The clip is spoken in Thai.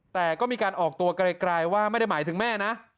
แต่ก็มีการออกตัวไกลว่าไม่ได้หมายถึงแม่นะ